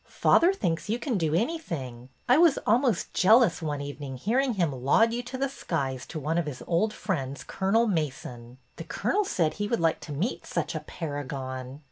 Father thinks you can do anything. I was almost jealous one evening hearing him laud you to the skies to one of his old friends. Colonel Mason. The colonel said he would like to meet such a paragon."